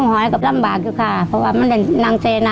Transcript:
หนูก็เสียใจค่ะที่ไม่มีพ่อมีแม่เหมือนเพื่อนค่ะ